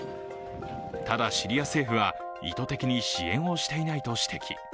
ただシリア政府は意図的に支援をしていないと指摘。